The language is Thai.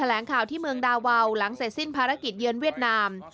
แหลงข่าวที่เมืองดาวาวหลังเสร็จสิ้นภารกิจเยือนเวียดนาม